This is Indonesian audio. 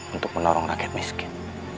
untuk menorong rakyat miskin